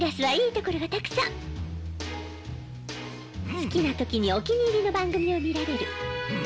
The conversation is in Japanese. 好きな時にお気に入りの番組を見られる。